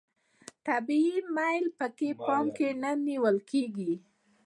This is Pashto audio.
طبیعي میل پکې په پام کې نه نیول کیږي.